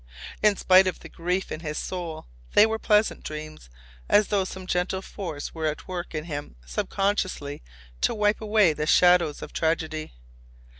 In spite of the grief in his soul they were pleasant dreams, as though some gentle force were at work in him subconsciously to wipe away the shadows of tragedy.